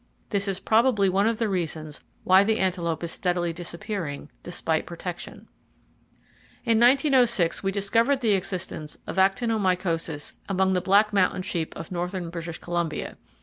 This is probably one of the reasons why the antelope is steadily disappearing, despite protection. In 1906 we discovered the existence of actinomycosis among the black mountain sheep of northern British Columbia.